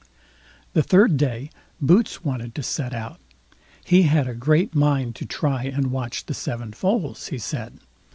The third day Boots wanted to set out; he had a great mind to try and watch the seven foals, he said.